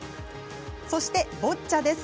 そして、ボッチャです。